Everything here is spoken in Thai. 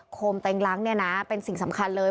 โคมเต็งล้างเนี่ยนะเป็นสิ่งสำคัญเลย